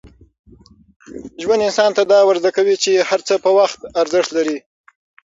ژوند انسان ته دا ور زده کوي چي هر څه په وخت ارزښت لري.